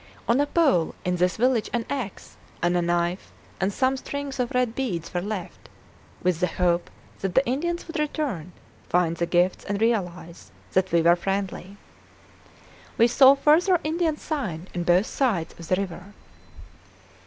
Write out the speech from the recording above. On a pole in this village an axe, a knife, and some strings of red beads were left, with the hope that the Indians would return, find the gifts, and realize that we were friendly. We saw further Indian sign on both sides of the river.